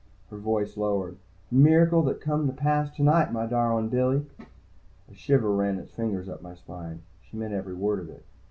Her voice lowered. "A miracle that come to pass tonight, my darlin' Billy." A shiver ran its fingers up my spine. She meant every word of it.